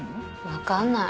分かんない。